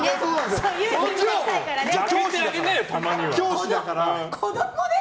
教師だから。